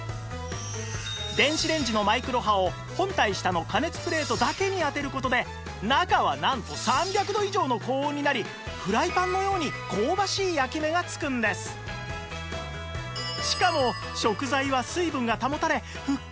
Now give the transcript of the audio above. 電子レンジのマイクロ波を本体下の加熱プレートだけに当てる事で中はなんと３００度以上の高温になりフライパンのようにしかも食材は水分が保たれふっくらやわらか！